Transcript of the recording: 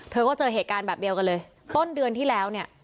เธอก็เจอเหตุการณ์แบบเดียวกันเลยต้นเดือนที่แล้วเนี่ย